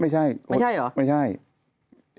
ไม่ใช่ไม่ใช่หรอ